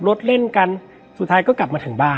และวันนี้แขกรับเชิญที่จะมาเชิญที่เรา